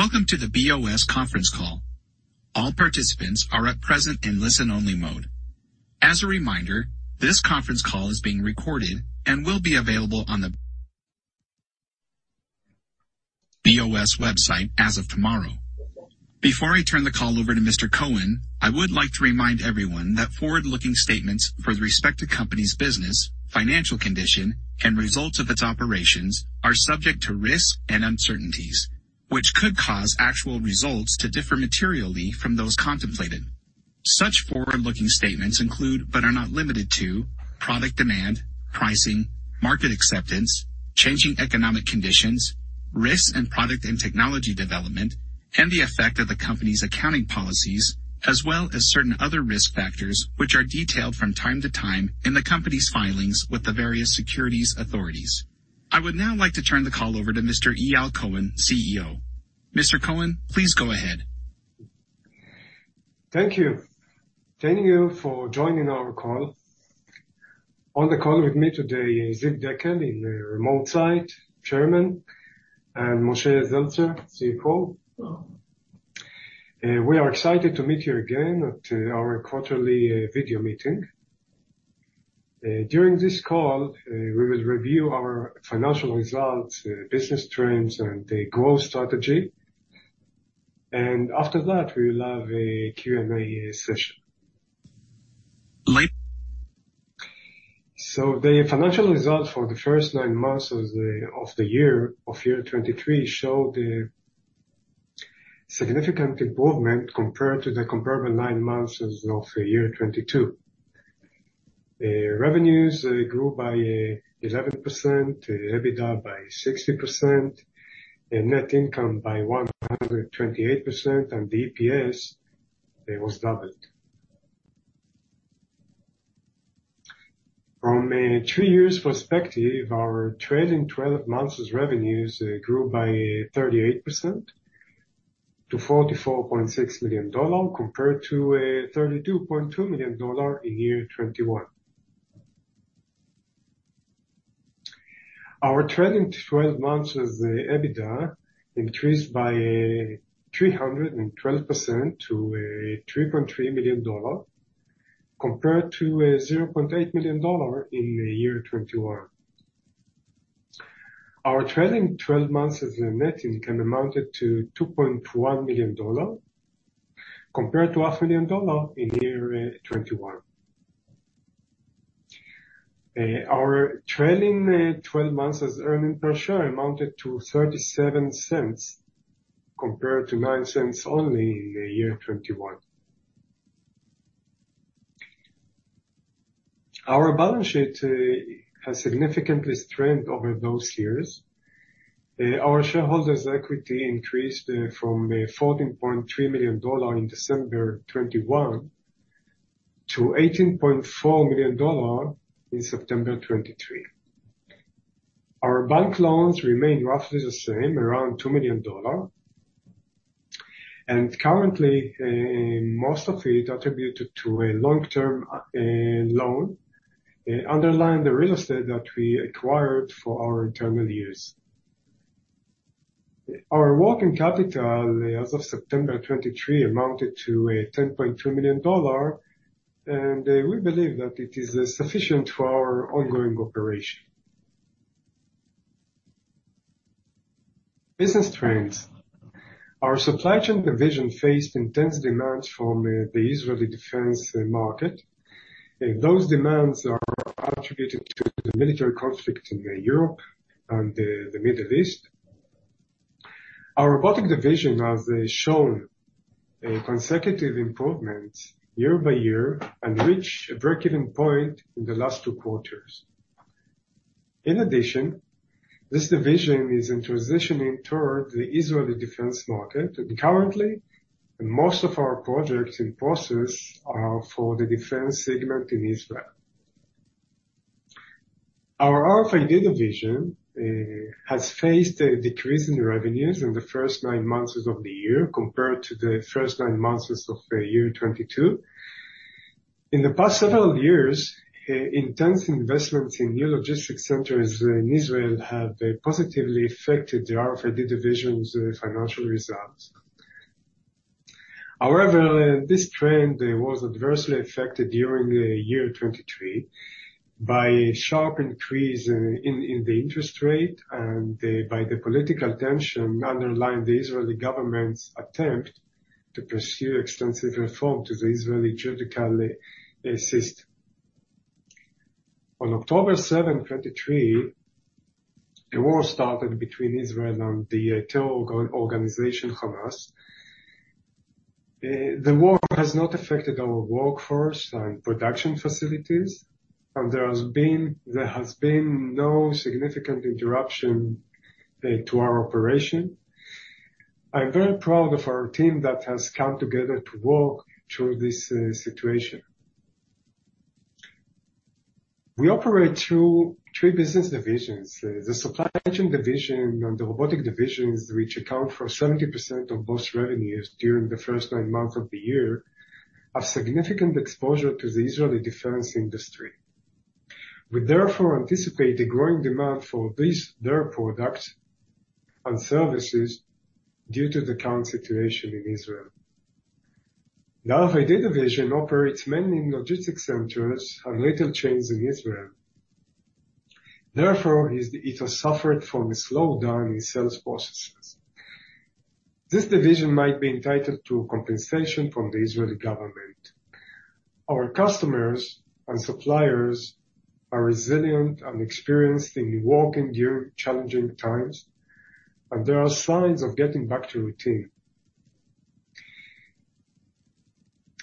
Welcome to the BOS conference call. All participants are at present in listen-only mode. As a reminder, this conference call is being recorded and will be available on the BOS website as of tomorrow. Before I turn the call over to Mr. Cohen, I would like to remind everyone that forward-looking statements with respect to company's business, financial condition, and results of its operations are subject to risks and uncertainties, which could cause actual results to differ materially from those contemplated. Such forward-looking statements include, but are not limited to, product demand, pricing, market acceptance, changing economic conditions, risks and product and technology development, and the effect of the company's accounting policies, as well as certain other risk factors, which are detailed from time to time in the company's filings with the various securities authorities. I would now like to turn the call over to Mr. Eyal Cohen, CEO. Mr. Cohen, please go ahead. Thank you. Thank you for joining our call. On the call with me today is Ziv Dekel, in the remote site, Chairman, and Moshe Zeltzer, CFO. We are excited to meet you again at our quarterly video meeting. During this call, we will review our financial results, business trends, and the growth strategy. After that, we will have a Q&A session. Li- The financial results for the first nine months of the year 2023 show the significant improvement compared to the comparable nine months of the year 2022. Revenues grew by 11%, EBITDA by 60%, and net income by 128%, and the EPS, it was doubled. From a two-years perspective, our trailing twelve months' revenues grew by 38% to $44.6 million, compared to $32.2 million in year 2021. Our trailing twelve months EBITDA increased by 312% to $3.3 million, compared to $0.8 million in the year 2021. Our trailing twelve months net income amounted to $2.1 million, compared to $1 million in year 2021. Our trailing twelve months earnings per share amounted to $0.37, compared to only $0.09 in the year 2021. Our balance sheet has significantly strengthened over those years. Our shareholders' equity increased from $14.3 million in December 2021 to $18.4 million in September 2023. Our bank loans remain roughly the same, around $2 million, and currently most of it attributed to a long-term loan underlying the real estate that we acquired for our internal use. Our working capital, as of September 2023, amounted to $10.2 million, and we believe that it is sufficient for our ongoing operation. Business trends. Our Supply Chain Division faced intense demands from the Israeli defense market. Those demands are attributed to the military conflict in Europe and the Middle East. Our Robotic Division has shown a consecutive improvement year by year and reached a break-even point in the last two quarters. In addition, this division is in transitioning toward the Israeli defense market, and currently, most of our projects in process are for the defense segment in Israel. Our RFID Division has faced a decrease in revenues in the first nine months of the year, compared to the first nine months of the year 2022. In the past several years, intense investments in new logistics centers in Israel have positively affected the RFID Division's financial results. However, this trend was adversely affected during the year 2023 by a sharp increase in the interest rate and by the political tension underlying the Israeli government's attempt to pursue extensive reform to the Israeli judicial system. On October 7, 2023, a war started between Israel and the terror organization, Hamas. The war has not affected our workforce and production facilities, and there has been no significant interruption to our operation. I'm very proud of our team that has come together to work through this situation. We operate through three business divisions: the Supply Chain Division and the Robotic Divisions, which account for 70% of those revenues during the first nine months of the year, have significant exposure to the Israeli defense industry. We therefore anticipate the growing demand for these, their products and services due to the current situation in Israel. The BOS-Dimex Division operates many logistics centers and retail chains in Israel. Therefore, it has suffered from a slowdown in sales processes. This division might be entitled to compensation from the Israeli government. Our customers and suppliers are resilient and experienced in working during challenging times, and there are signs of getting back to routine.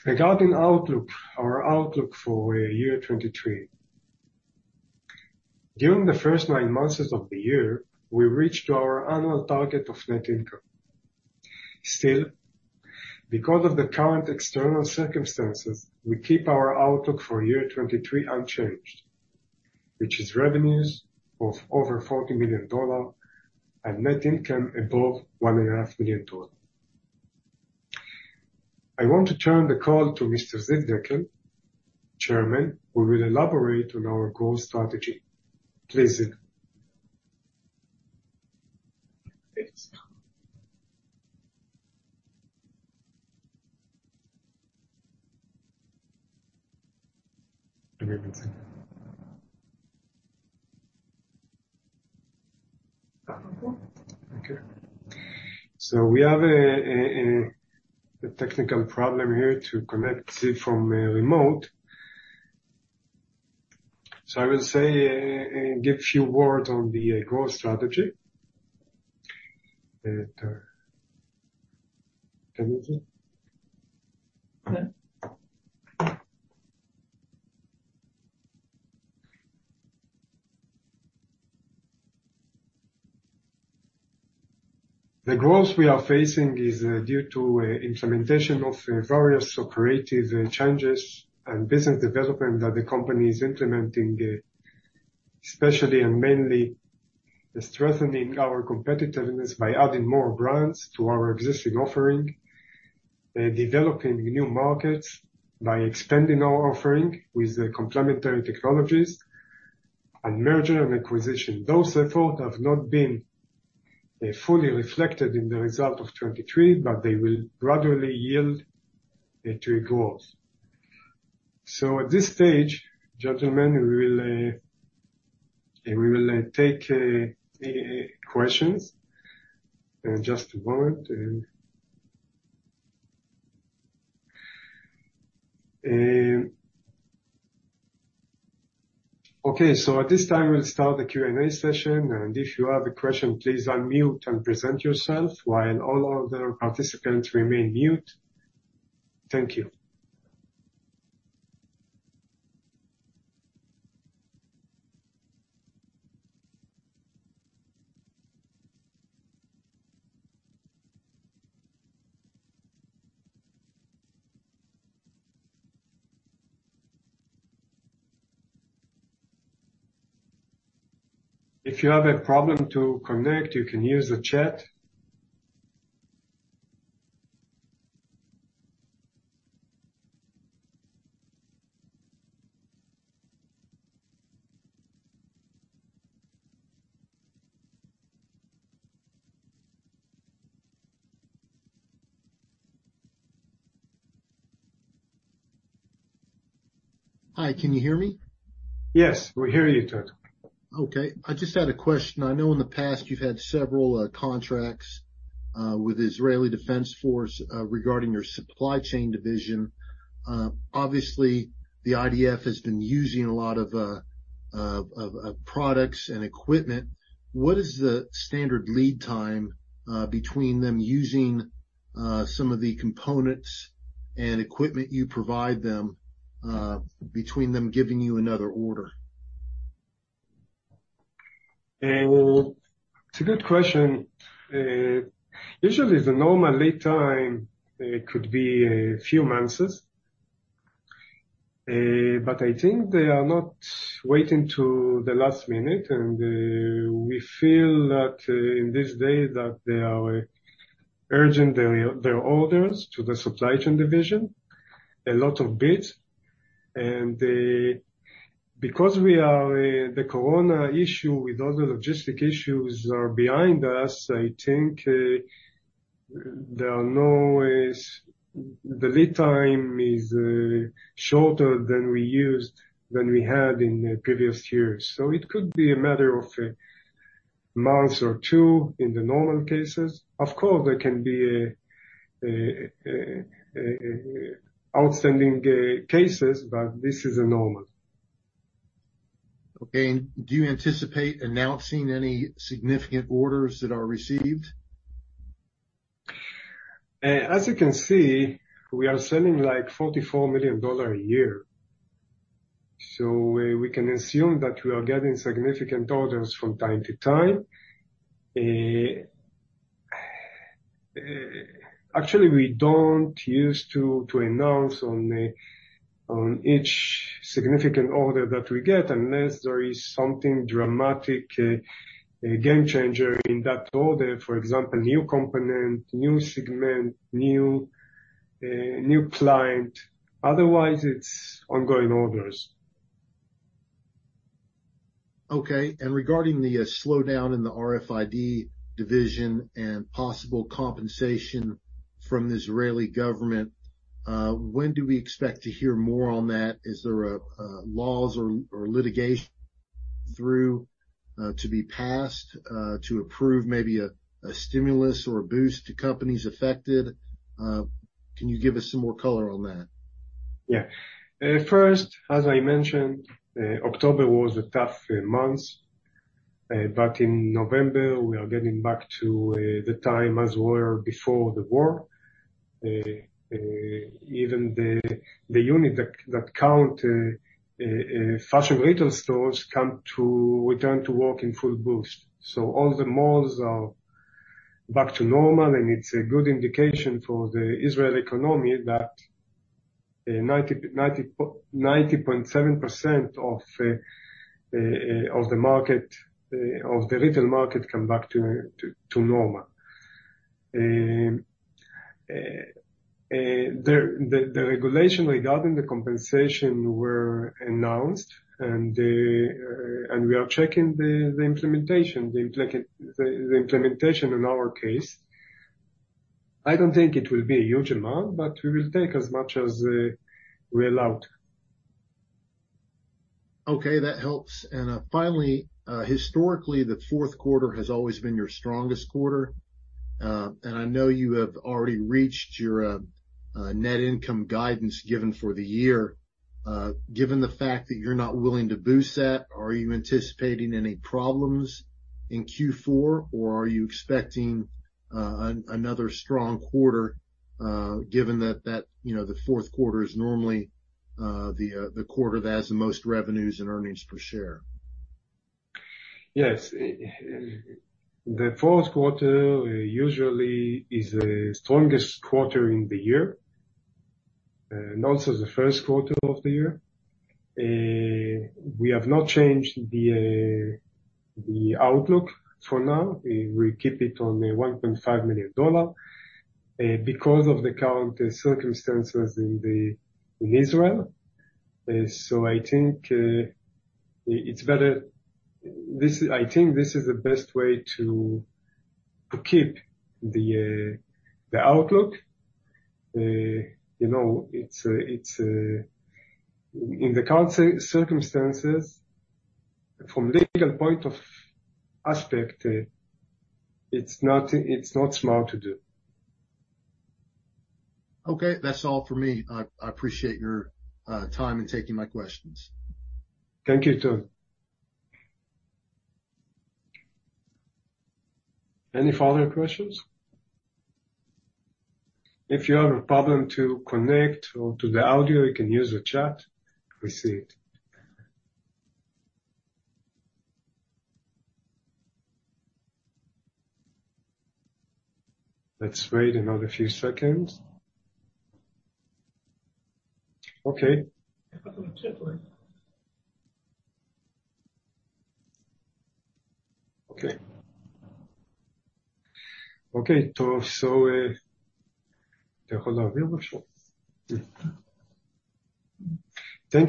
Regarding outlook, our outlook for year 2023. During the first nine months of the year, we reached our annual target of net income. Still, because of the current external circumstances, we keep our outlook for year 2023 unchanged, which is revenues of over $40 million and net income above $1.5 million. I want to turn the call to Mr. Ziv Dekel, Chairman, who will elaborate on our growth strategy. Please, Ziv. Okay. So we have a technical problem here to connect Ziv from remote. So I will say and give few words on the growth strategy. Can you see? Yeah. The growth we are facing is due to implementation of various operative changes and business development that the company is implementing, especially and mainly strengthening our competitiveness by adding more brands to our existing offering, developing new markets by expanding our offering with the complementary technologies and merger and acquisition. Those, therefore, have not been fully reflected in the result of 2023, but they will gradually yield to growth. So at this stage, gentlemen, we will take questions. Just a moment. Okay, so at this time we'll start the Q&A session, and if you have a question, please unmute and present yourself while all other participants remain mute. Thank you. If you have a problem to connect, you can use the chat. Hi, can you hear me? Yes, we hear you, Todd. Okay, I just had a question. I know in the past you've had several contracts with Israeli Defense Forces regarding your Supply Chain Division. Obviously, the IDF has been using a lot of products and equipment. What is the standard lead time between them using some of the components and equipment you provide them between them giving you another order? It's a good question. Usually the normal lead time could be a few months. But I think they are not waiting to the last minute, and we feel that, in this day, that they are urging their orders to the Supply Chain Division, a lot of bids. And, because the coronavirus issue with other logistic issues are behind us, I think, there are no ways. The lead time is shorter than we had in the previous years. So it could be a matter of a month or two in the normal cases. Of course, there can be outstanding cases, but this is normal. Okay. Do you anticipate announcing any significant orders that are received? As you can see, we are selling like $44 million a year, so we can assume that we are getting significant orders from time to time. Actually, we don't use to announce on each significant order that we get, unless there is something dramatic, a game changer in that order. For example, new component, new segment, new client. Otherwise, it's ongoing orders. Okay. And regarding the slowdown in the RFID Division and possible compensation from the Israeli government, when do we expect to hear more on that? Is there laws or litigation through to be passed to approve maybe a stimulus or a boost to companies affected? Can you give us some more color on that? Yeah. First, as I mentioned, October was a tough month. But in November, we are getting back to the time as were before the war. Even the unit that counts fashion retail stores come to return to work in full boost. So all the malls are back to normal, and it's a good indication for the Israeli economy that 90.7% of the retail market come back to normal. The regulation regarding the compensation were announced, and we are checking the implementation in our case. I don't think it will be a huge amount, but we will take as much as we're allowed. Okay, that helps. And, finally, historically, the fourth quarter has always been your strongest quarter. And I know you have already reached your net income guidance given for the year. Given the fact that you're not willing to boost that, are you anticipating any problems in Q4, or are you expecting another strong quarter, given that, you know, the fourth quarter is normally the quarter that has the most revenues and earnings per share? Yes. The fourth quarter usually is the strongest quarter in the year, and also the first quarter of the year. We have not changed the outlook for now. We keep it on the $1.5 million because of the current circumstances in Israel. So I think it's better. This, I think this is the best way to keep the outlook. You know, it's in the current circumstances, from legal point of aspect, it's not smart to do. Okay. That's all for me. I, I appreciate your time in taking my questions. Thank you, Todd. Any further questions? If you have a problem to connect or to the audio, you can use the chat. We see it. Let's wait another few seconds. Okay. Okay. Okay, so, thank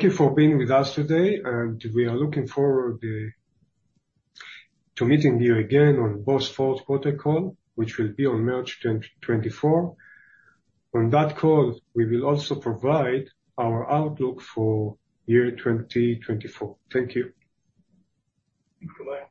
you for being with us today, and we are looking forward to meeting you again on BOS's fourth quarter call, which will be on March tenth, 2024. On that call, we will also provide our outlook for year 2024. Thank you. Thank you, bye.